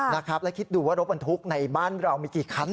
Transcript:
นะครับแล้วคิดดูว่ารถบรรทุกในบ้านเรามีกี่คัน